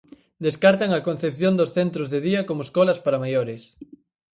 Descartan a concepción dos centros de día como escolas para maiores.